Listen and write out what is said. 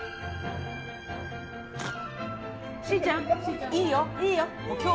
しーちゃんいいよいいよ